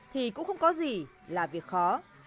thì cũng không có gì là việc khó